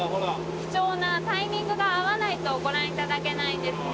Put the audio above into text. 貴重なタイミングが合わないとご覧頂けないんですね。